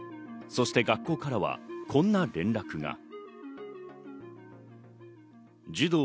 そして学校からはこんな連絡が。